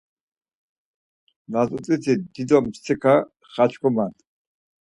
Lazut̆iti dido mtsika xaçkuman.